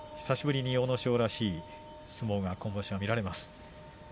久しぶりに阿武咲らしい相撲が今場所は見られています。